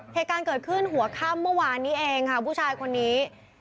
เหตุการณ์เกิดขึ้นหัวค่ำเมื่อวานนี้เองค่ะผู้ชายคนนี้